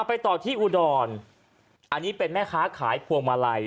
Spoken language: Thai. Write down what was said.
ไปต่อที่อุดรอันนี้เป็นแม่ค้าขายพวงมาลัย